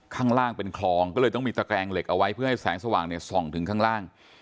ข้างล่างเป็นคลองก็เลยต้องมีตะแกรงเหล็กเอาไว้เพื่อให้แสงสว่างเนี่ยส่องถึงข้างล่าง